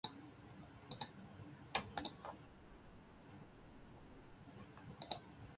私は、大学生だ。